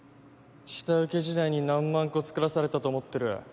下請け時代に何万個作らされたと思ってる？